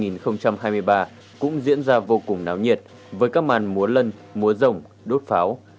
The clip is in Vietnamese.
năm hai nghìn hai mươi ba cũng diễn ra vô cùng náo nhiệt với các màn múa lân múa rồng đốt pháo